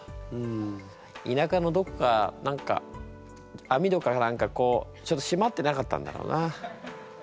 田舎のどこか何か網戸か何かこうちょっとしまってなかったんだろうな。